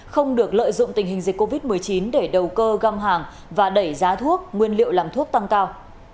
không được lợi dụng tình hình dịch covid một mươi chín để đầu cơ găm hàng và đẩy giá thuốc nguyên liệu làm thuốc tăng cao